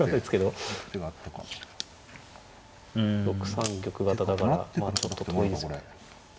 ６三玉型だからちょっと遠いですよね。